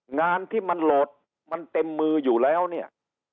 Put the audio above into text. งานที่มันโหลดมันเต็มมืออยู่แล้วเนี่ย